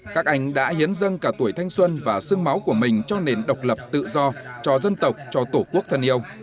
các anh đã hiến dân cả tuổi thanh xuân và sưng máu của mình cho nền độc lập tự do cho dân tộc cho tổ quốc thân yêu